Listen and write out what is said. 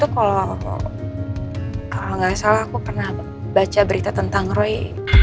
kalau nggak salah aku pernah baca berita tentang roy